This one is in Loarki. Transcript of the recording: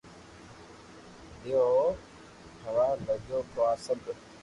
ديديو ھين يوا لگيو ڪو آ سب